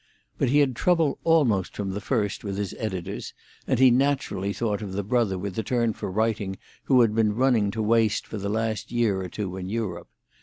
But he had trouble almost from the first with his editors, and he naturally thought of the brother with a turn for writing who had been running to waste for the last year or two in Europe.